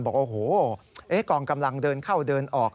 บอกโอ้โหกองกำลังเดินเข้าเดินออก